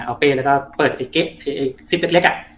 เอาเปียรจะเปิดไปเกะ